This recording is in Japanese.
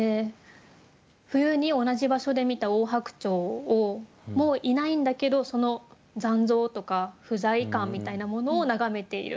冬に同じ場所で見たオオハクチョウをもういないんだけどその残像とか不在感みたいなものを眺めている。